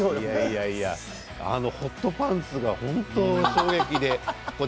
いやいやホットパンツが本当に衝撃で。